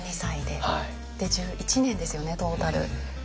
で１１年ですよねトータル。